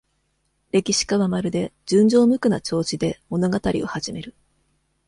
歴史家は、まるで、純情無垢な調子で、物語を始める。